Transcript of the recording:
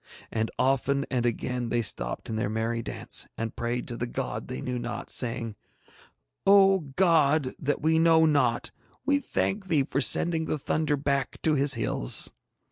And often and again they stopped in their merry dances and prayed to the God they knew not, saying, 'O, God that we know not, we thank Thee for sending the thunder back to his hills.'